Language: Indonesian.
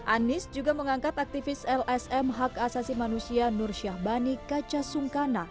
anies juga mengangkat aktivis lsm hak asasi manusia nur syahbani kaca sungkana